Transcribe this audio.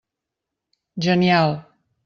Genial.